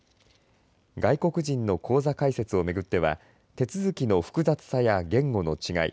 外国人の口座開設を巡っては手続きの複雑さや言語の違い